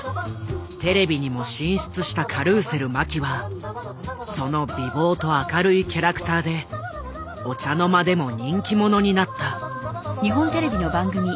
テレビにも進出したカルーセル麻紀はその美貌と明るいキャラクターでお茶の間でも人気者になった。